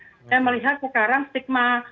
saya melihat sekarang stigma